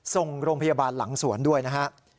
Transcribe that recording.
ส่งโรงพยาบาลหลังสวนด้วยนะฮะ